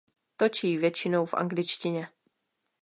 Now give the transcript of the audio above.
Točí většinou v angličtině.